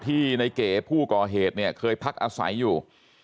ในเก๋ผู้ก่อเหตุเนี่ยเคยพักอาศัยอยู่